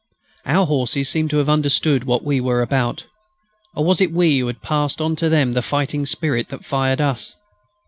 Our horses seemed to have understood what we were about. Or was it we who had passed on to them the fighting spirit that fired us?